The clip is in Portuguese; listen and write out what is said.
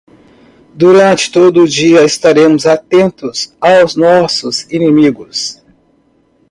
Durante todo o dia estaremos atentos aos nossos inimigos.